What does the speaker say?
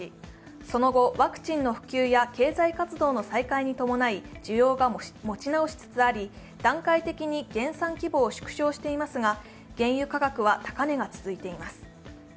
その後、ワクチンの普及や経済活動の再開に伴い、需要が持ち直しつつあり段階的に原産規模を縮小していますが原油価格は高値が続いています。